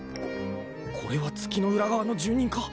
ここれは月の裏側の住人か？